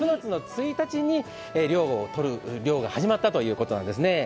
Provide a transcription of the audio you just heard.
９月１日に、漁が始まったということなんですね。